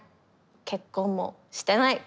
結婚もしてない！